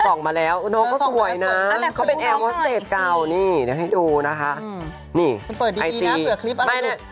ออกมาแล้วน้องก็สวยนะเขาเป็นแอลว่าสเตจเก่านี่เดี๋ยวให้ดูนะคะนี่ไอซีมันเปิดดีนะเผื่อคลิปอะไรด้วย